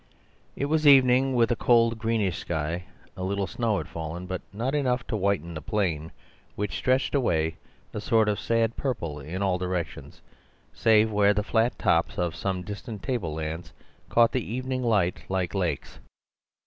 It was evening, with a cold, greenish sky. A little snow had fallen, but not enough to whiten the plain, which stretched away a sort of sad purple in all directions, save where the flat tops of some distant tablelands caught the evening light like lakes.